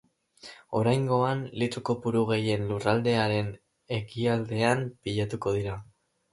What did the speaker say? Oraingoan, litro kopuru gehien lurraldearen ekialdean pilatuko dira.